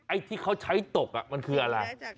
ไอ้ที่เขาใช้ตกมันคืออะไร